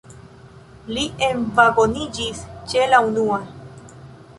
Li envagoniĝis ĉe la unua.